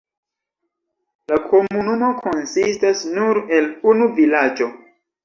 La komunumo konsistas nur el unu vilaĝo.